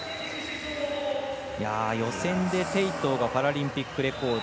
予選で鄭濤がパラリンピックレコード。